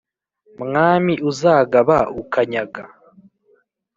mwami uzagaba ukanyaga.